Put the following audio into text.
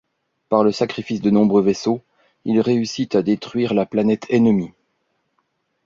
Par le sacrifice de nombreux vaisseaux, il réussit à détruire la planète ennemie.